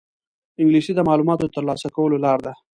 انګلیسي د معلوماتو د ترلاسه کولو لاره ده